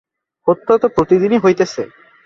হত্যা তো প্রতিদিনই হইতেছে।